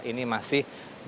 ini masih dalam